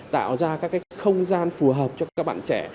tạo ra các không gian phù hợp cho các bạn trẻ